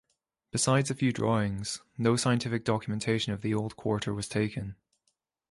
Besides a few drawings, no scientific documentation of the old quarter was taken.